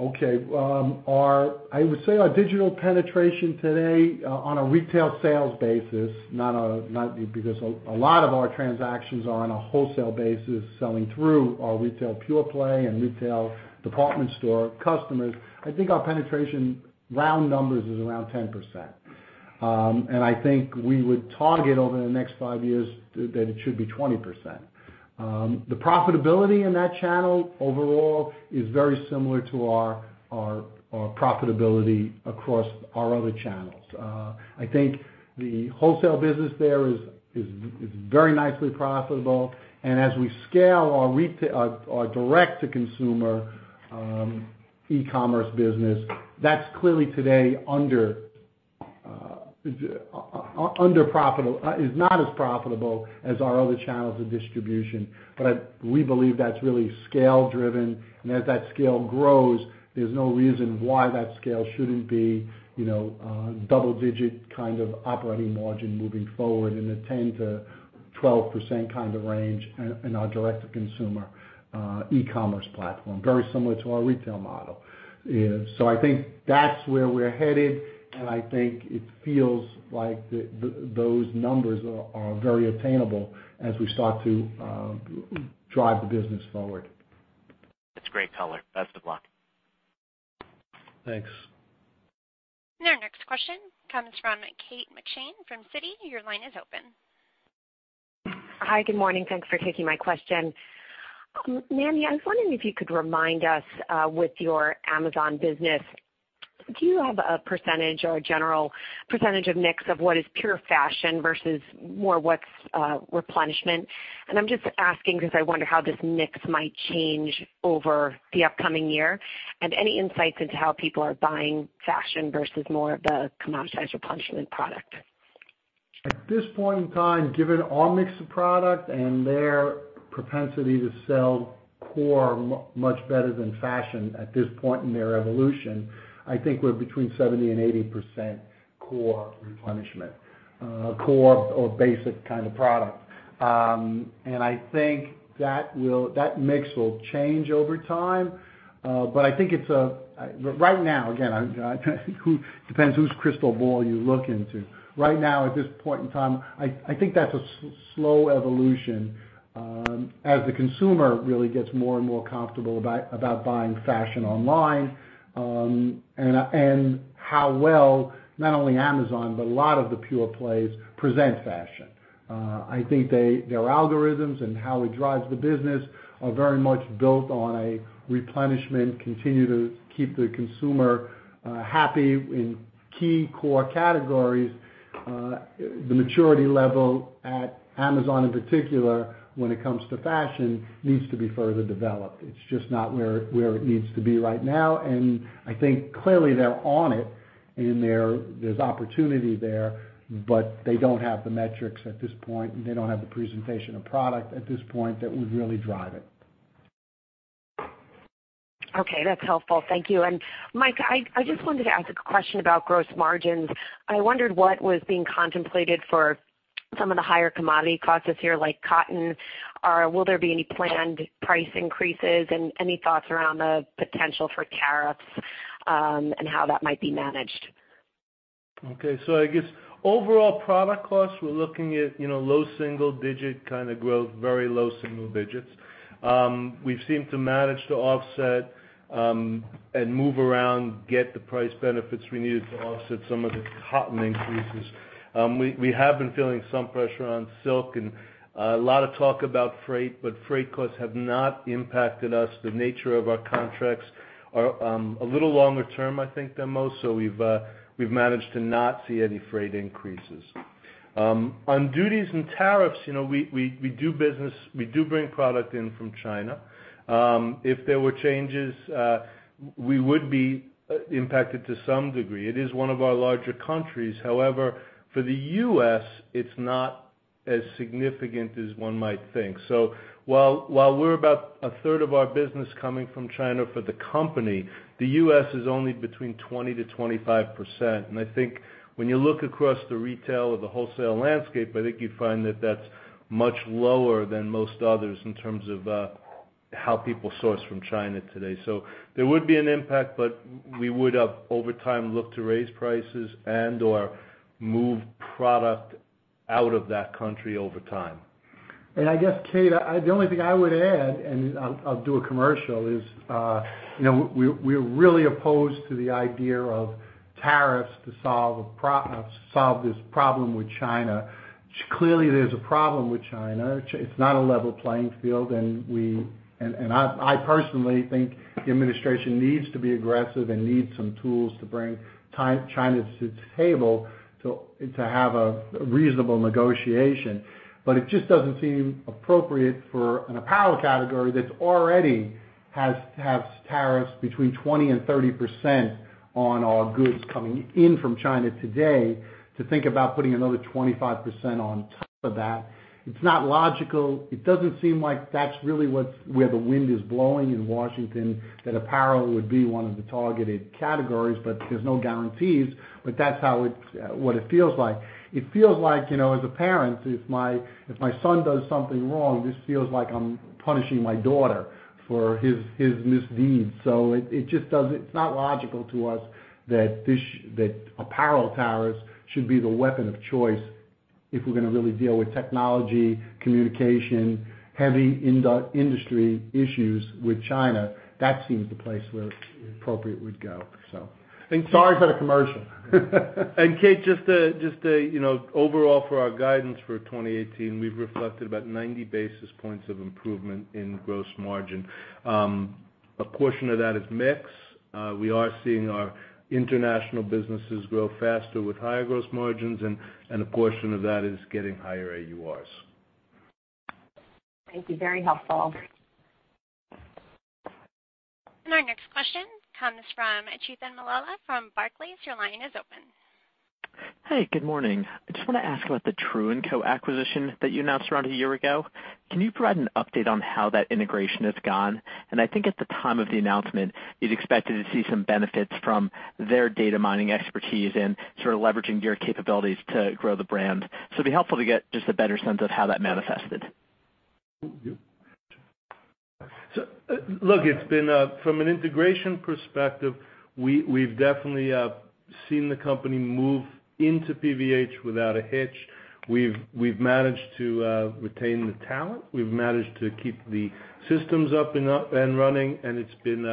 Okay. I would say our digital penetration today, on a retail sales basis, because a lot of our transactions are on a wholesale basis, selling through our retail pure play and retail department store customers. I think our penetration round numbers is around 10%. I think we would target over the next five years that it should be 20%. The profitability in that channel overall is very similar to our profitability across our other channels. I think the wholesale business there is very nicely profitable. As we scale our direct-to-consumer, e-commerce business, that's clearly today is not as profitable as our other channels of distribution. We believe that's really scale driven, and as that scale grows, there's no reason why that scale shouldn't be double-digit operating margin moving forward in a 10%-12% range in our direct-to-consumer e-commerce platform, very similar to our retail model. I think that's where we're headed, I think it feels like those numbers are very attainable as we start to drive the business forward. That's great color. Best of luck. Thanks. Our next question comes from Kate McShane from Citi. Your line is open. Hi. Good morning. Thanks for taking my question. Manny, I was wondering if you could remind us, with your Amazon business, do you have a percentage or a general percentage of mix of what is pure fashion versus more what's replenishment? I'm just asking because I wonder how this mix might change over the upcoming year. Any insights into how people are buying fashion versus more of the commoditized replenishment product. At this point in time, given our mix of product and their propensity to sell core much better than fashion at this point in their evolution, I think we're between 70% and 80% core replenishment, core or basic kind of product. I think that mix will change over time. Right now, again, it depends whose crystal ball you look into. Right now, at this point in time, I think that's a slow evolution. As the consumer really gets more and more comfortable about buying fashion online, and how well, not only Amazon, but a lot of the pure plays present fashion. I think their algorithms and how it drives the business are very much built on a replenishment continue to keep the consumer happy in key core categories. The maturity level at Amazon in particular, when it comes to fashion, needs to be further developed. It's just not where it needs to be right now, and I think clearly they're on it, and there's opportunity there, but they don't have the metrics at this point, and they don't have the presentation of product at this point that would really drive it. Okay. That's helpful. Thank you. Mike, I just wanted to ask a question about gross margins. I wondered what was being contemplated for some of the higher commodity costs this year, like cotton. Will there be any planned price increases, and any thoughts around the potential for tariffs, and how that might be managed? Okay. I guess overall product costs, we're looking at low single-digit kind of growth, very low single-digits. We seem to manage to offset, and move around, get the price benefits we needed to offset some of the cotton increases. We have been feeling some pressure on silk and a lot of talk about freight, but freight costs have not impacted us. The nature of our contracts are a little longer term, I think, than most. We've managed to not see any freight increases. On duties and tariffs, we do bring product in from China. If there were changes, we would be impacted to some degree. It is one of our larger countries. However, for the U.S., it's not as significant as one might think. While we're about a third of our business coming from China for the company, the U.S. is only between 20%-25%. I think when you look across the retail or the wholesale landscape, I think you'd find that that's much lower than most others in terms of how people source from China today. There would be an impact, but we would have, over time, looked to raise prices and/or move product out of that country over time. I guess, Kate, the only thing I would add, and I'll do a commercial, is we're really opposed to the idea of tariffs to solve this problem with China. Clearly, there's a problem with China. It's not a level playing field, and I personally think the administration needs to be aggressive and needs some tools to bring China to the table to have a reasonable negotiation. It just doesn't seem appropriate for an apparel category that already has tariffs between 20%-30% on all goods coming in from China today to think about putting another 25% on top of that. It's not logical. It doesn't seem like that's really where the wind is blowing in Washington, that apparel would be one of the targeted categories, but there's no guarantees. That's what it feels like. It feels like, as a parent, if my son does something wrong, this feels like I'm punishing my daughter for his misdeeds. It's not logical to us that apparel tariffs should be the weapon of choice if we're going to really deal with technology, communication, heavy industry issues with China. That seems the place where it appropriate would go. Sorry for the commercial. Kate, just overall for our guidance for 2018, we've reflected about 90 basis points of improvement in gross margin. A portion of that is mix. We are seeing our international businesses grow faster with higher gross margins, a portion of that is getting higher AURs. Thank you. Very helpful. Our next question comes from Chethan Mallela from Barclays. Your line is open. Hey, good morning. I just want to ask about the True&Co. acquisition that you announced around a year ago. Can you provide an update on how that integration has gone? I think at the time of the announcement, you'd expected to see some benefits from their data mining expertise and sort of leveraging your capabilities to grow the brand. It'd be helpful to get just a better sense of how that manifested. Look, from an integration perspective, we've definitely We have seen the company move into PVH without a hitch. We've managed to retain the talent. We've managed to keep the systems up and running, and it's been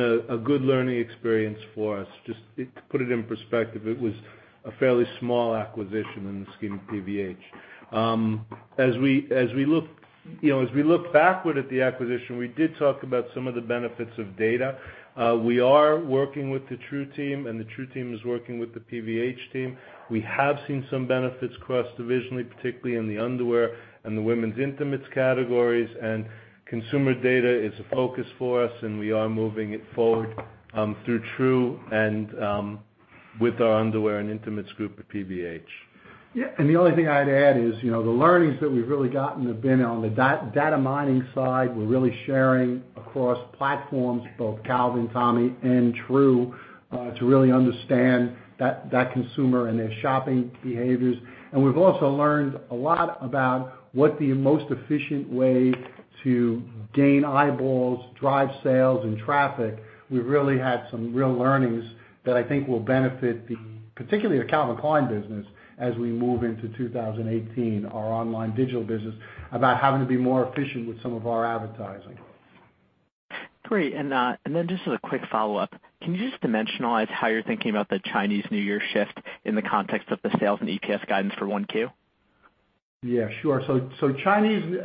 a good learning experience for us. Just to put it in perspective, it was a fairly small acquisition in the scheme of PVH. As we look backward at the acquisition, we did talk about some of the benefits of data. We are working with the True&Co. team, and the True&Co. team is working with the PVH team. We have seen some benefits cross-divisionally, particularly in the underwear and the women's intimates categories, consumer data is a focus for us, and we are moving it forward through True&Co. and with our underwear and intimates group at PVH. Yeah. The only thing I'd add is, the learnings that we've really gotten have been on the data mining side. We're really sharing across platforms, both Calvin, Tommy, and True&Co., to really understand that consumer and their shopping behaviors. We've also learned a lot about what the most efficient way to gain eyeballs, drive sales and traffic. We've really had some real learnings that I think will benefit particularly the Calvin Klein business as we move into 2018, our online digital business, about having to be more efficient with some of our advertising. Great, just as a quick follow-up, can you just dimensionalize how you're thinking about the Chinese New Year shift in the context of the sales and EPS guidance for Q1? Yeah, sure. Chinese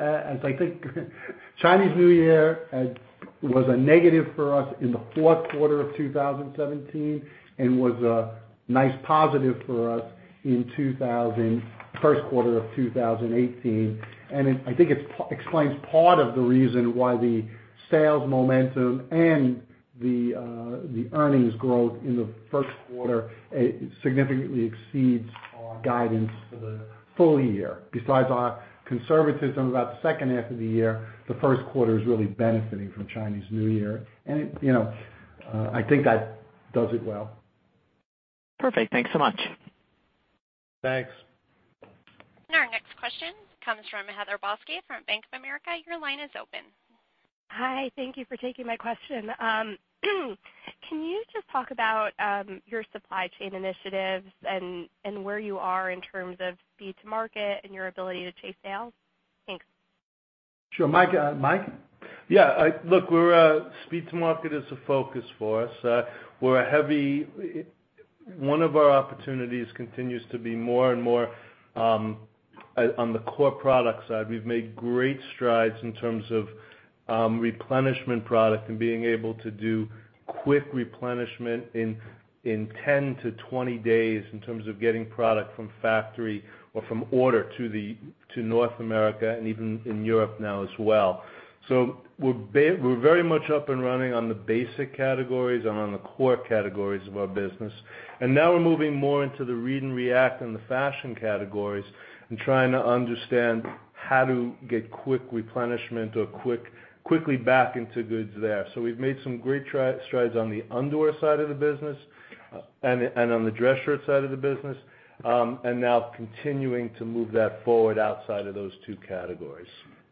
New Year was a negative for us in the fourth quarter of 2017 and was a nice positive for us in first quarter of 2018. I think it explains part of the reason why the sales momentum and the earnings growth in the first quarter significantly exceeds our guidance for the full year. Besides our conservatism about the second half of the year, the first quarter is really benefiting from Chinese New Year. I think that does it well. Perfect. Thanks so much. Thanks. Our next question comes from Heather Balsky from Bank of America. Your line is open. Hi. Thank you for taking my question. Can you just talk about your supply chain initiatives and where you are in terms of speed to market and your ability to chase sales? Thanks. Sure. Mike? Yeah. Look, speed to market is a focus for us. One of our opportunities continues to be more and more on the core product side. We've made great strides in terms of replenishment product and being able to do quick replenishment in 10 to 20 days, in terms of getting product from factory or from order to North America and even in Europe now as well. We're very much up and running on the basic categories and on the core categories of our business. Now we're moving more into the read and react and the fashion categories and trying to understand how to get quick replenishment or quickly back into goods there. We've made some great strides on the underwear side of the business and on the dress shirt side of the business, now continuing to move that forward outside of those two categories.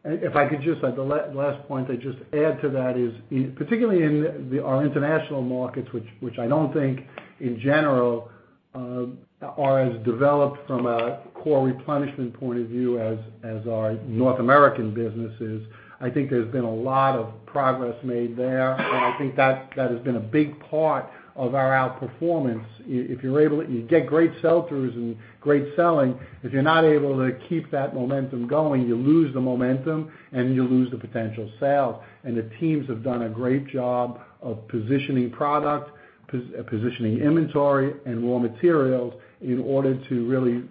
If I could just, the last point I'd just add to that is, particularly in our international markets, which I don't think in general are as developed from a core replenishment point of view as our North American businesses. I think there's been a lot of progress made there, and I think that has been a big part of our outperformance. If you get great sell-throughs and great selling, if you're not able to keep that momentum going, you lose the momentum, and you lose the potential sale. The teams have done a great job of positioning product, positioning inventory, and raw materials in order to really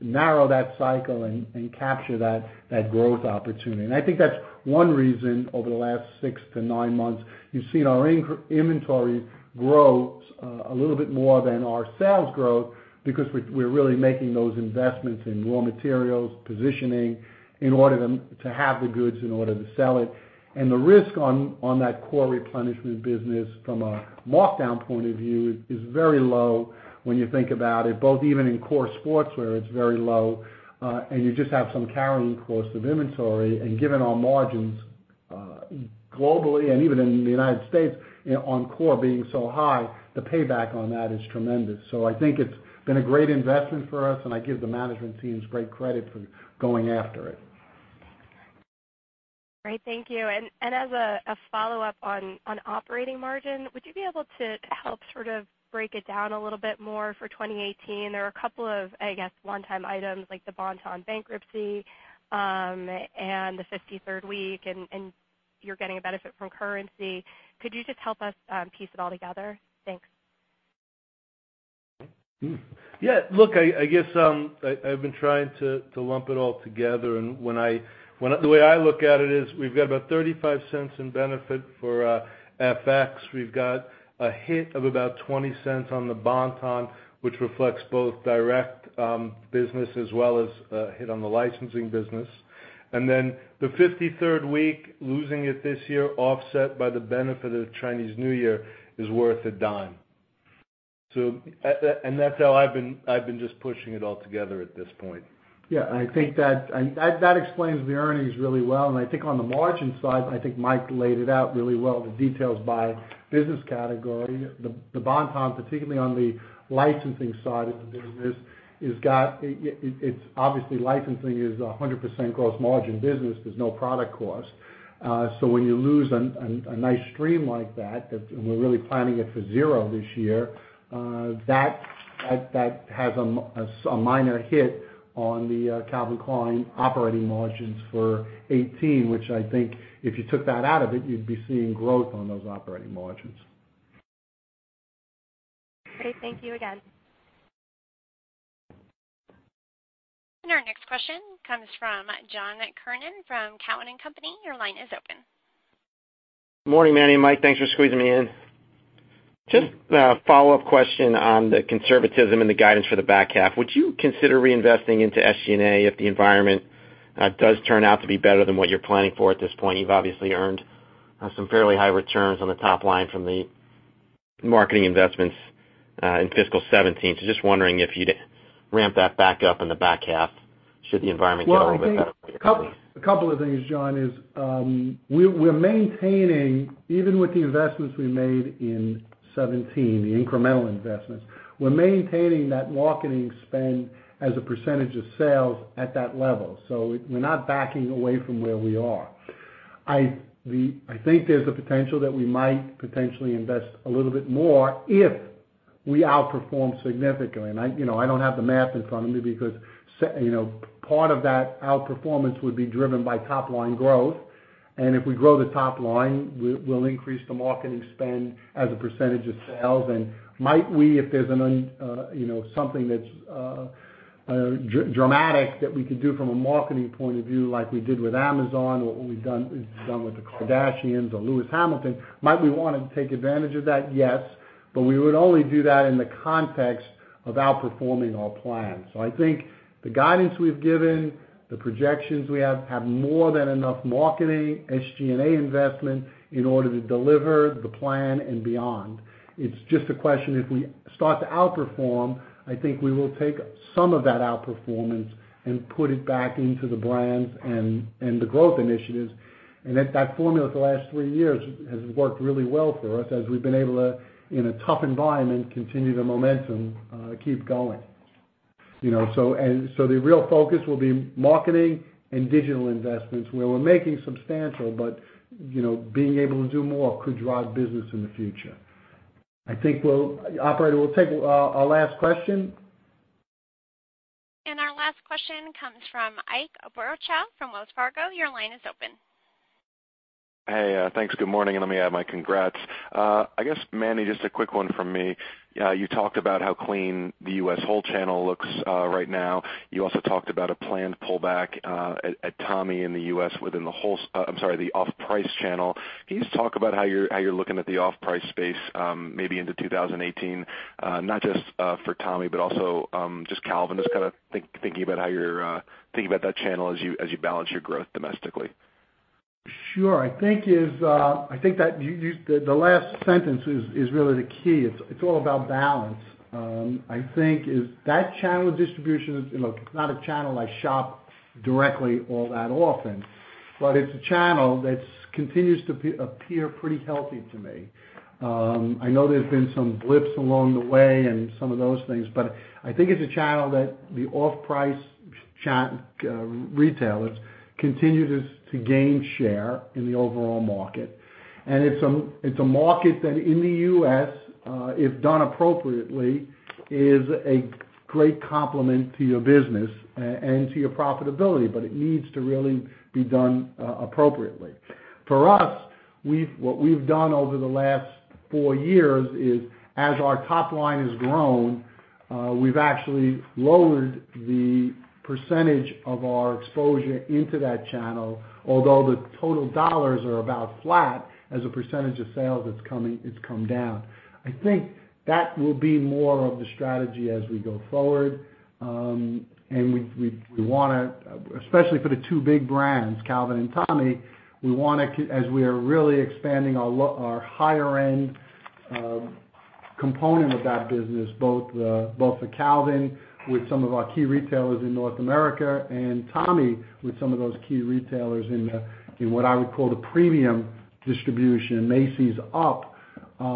narrow that cycle and capture that growth opportunity. I think that's one reason, over the last six to nine months, you've seen our inventory grow a little bit more than our sales growth because we're really making those investments in raw materials, positioning, in order to have the goods in order to sell it. The risk on that core replenishment business from a markdown point of view is very low when you think about it, both even in core sportswear, it's very low. You just have some carrying cost of inventory. Given our margins globally and even in the U.S. on core being so high, the payback on that is tremendous. I think it's been a great investment for us, and I give the management teams great credit for going after it. Great. Thank you. As a follow-up on operating margin, would you be able to help sort of break it down a little bit more for 2018? There are a couple of, I guess, one-time items like the Bon-Ton bankruptcy, the 53rd week, and you're getting a benefit from currency. Could you just help us piece it all together? Thanks. Yeah, look, I guess I've been trying to lump it all together, the way I look at it is we've got about $0.35 in benefit for FX. We've got a hit of about $0.20 on the Bon-Ton, which reflects both direct business as well as a hit on the licensing business. Then the 53rd week, losing it this year, offset by the benefit of Chinese New Year is worth $0.10. That's how I've been just pushing it all together at this point. Yeah. I think that explains the earnings really well, I think on the margin side, I think Mike laid it out really well, the details by business category. The Bon-Ton, particularly on the licensing side of the business, obviously licensing is 100% gross margin business. There's no product cost. When you lose a nice stream like that, we're really planning it for zero this year, that has a minor hit on the Calvin Klein operating margins for 2018, which I think if you took that out of it, you'd be seeing growth on those operating margins. Great. Thank you again. Our next question comes from John Kernan from Cowen and Company. Your line is open. Morning, Manny and Mike. Thanks for squeezing me in. Just a follow-up question on the conservatism and the guidance for the back half. Would you consider reinvesting into SG&A if the environment does turn out to be better than what you're planning for at this point? You've obviously earned some fairly high returns on the top line from the marketing investments in fiscal 2017. Just wondering if you'd ramp that back up in the back half should the environment get a little bit better. Well, I think a couple of things, John. We're maintaining, even with the investments we made in 2017, the incremental investments, we're maintaining that marketing spend as a percentage of sales at that level. We're not backing away from where we are. I think there's the potential that we might potentially invest a little bit more if we outperform significantly. I don't have the math in front of me because part of that outperformance would be driven by top-line growth, and if we grow the top line, we'll increase the marketing spend as a percentage of sales. Might we, if there's something that's dramatic that we could do from a marketing point of view like we did with Amazon, or what we've done with the Kardashians or Lewis Hamilton, might we want to take advantage of that? Yes. We would only do that in the context of outperforming our plan. I think the guidance we've given, the projections we have more than enough marketing, SG&A investment in order to deliver the plan and beyond. It's just a question, if we start to outperform, I think we will take some of that outperformance and put it back into the brands and the growth initiatives. That formula for the last three years has worked really well for us as we've been able to, in a tough environment, continue the momentum, keep going. The real focus will be marketing and digital investments, where we're making substantial, but being able to do more could drive business in the future. Operator, we'll take our last question. Our last question comes from Ike Boruchow from Wells Fargo. Your line is open. Hey, thanks. Good morning, and let me add my congrats. I guess, Manny, just a quick one from me. You talked about how clean the U.S. whole channel looks right now. You also talked about a planned pullback at Tommy in the U.S. within the off-price channel. Can you just talk about how you're looking at the off-price space, maybe into 2018, not just for Tommy, but also just Calvin, just kind of thinking about that channel as you balance your growth domestically. Sure. I think that the last sentence is really the key. It's all about balance. I think that channel of distribution, it's not a channel I shop directly all that often, but it's a channel that continues to appear pretty healthy to me. I know there's been some blips along the way and some of those things, but I think it's a channel that the off-price retailers continue to gain share in the overall market. It's a market that in the U.S., if done appropriately, is a great complement to your business and to your profitability, but it needs to really be done appropriately. For us, what we've done over the last four years is as our top line has grown, we've actually lowered the % of our exposure into that channel, although the total dollars are about flat, as a % of sales, it's come down. I think that will be more of the strategy as we go forward. Especially for the two big brands, Calvin and Tommy, as we are really expanding our higher-end component of that business, both for Calvin with some of our key retailers in North America and Tommy with some of those key retailers in what I would call the premium distribution, Macy's up,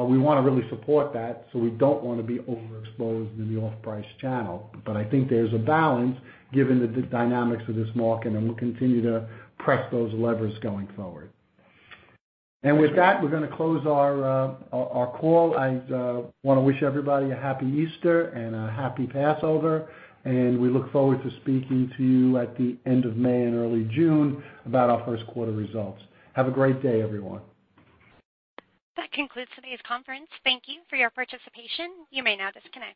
we want to really support that, so we don't want to be overexposed in the off-price channel. I think there's a balance given the dynamics of this market, we'll continue to press those levers going forward. With that, we're going to close our call. I want to wish everybody a happy Easter and a happy Passover, and we look forward to speaking to you at the end of May and early June about our first quarter results. Have a great day, everyone. That concludes today's conference. Thank you for your participation. You may now disconnect.